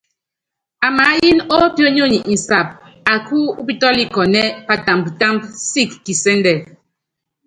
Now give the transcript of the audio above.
Amaáyɛ́n ópḭo̰nyonyi insab aká upítɔ́likɔ́nɛ́ patamb támb sik kisɛ́ndɛ.